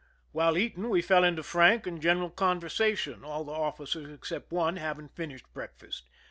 While eating, we fell into frank and general conversation, all the ofl&cers except one hav ing finished breakfast.